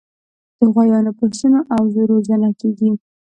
د غویانو، پسونو او وزو روزنه کیږي.